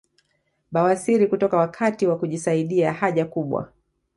Bawasiri kutoka wakati wa kujisaidia haja kubwa